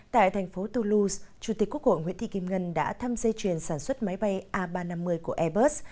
tại thành phố toulouse chủ tịch quốc hội nguyễn thị kim ngân đã thăm dây chuyền sản xuất máy bay a ba trăm năm mươi của airbus